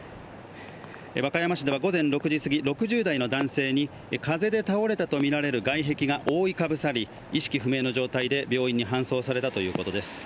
和歌山市では午前６時過ぎ６０代の男性に風で倒れたとみられる外壁が覆いかぶさり意識不明の状態で病院に搬送されたということです